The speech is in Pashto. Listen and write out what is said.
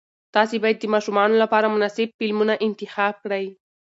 تاسې باید د ماشومانو لپاره مناسب فلمونه انتخاب کړئ.